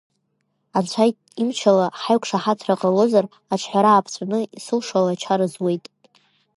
Анцәа имч ала, ҳаиқәшаҳаҭра ҟалозар, аҽҳәара ааԥҵәаны исылшо ала ачара зуеит.